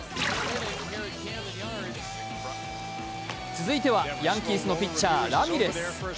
続いてはヤンキースのピッチャー・ラミレス。